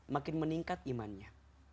makin meningkat imannya